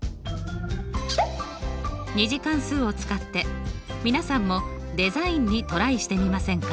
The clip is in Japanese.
２次関数を使って皆さんもデザインにトライしてみませんか？